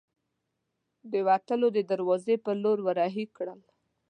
د وتلو د دراوزې په لور ور هۍ کړل.